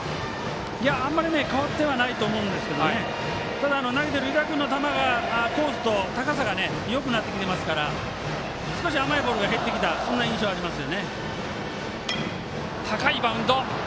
あまり変わってないと思うんですけどただ湯田君の球がコースがよくなってきてますから少し甘い球が減ってきたそんな印象はあります。